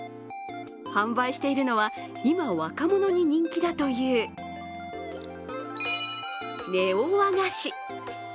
販売しているのは、今、若者に人気だというネオ和菓子。